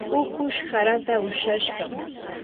ukush haraata ushashqam.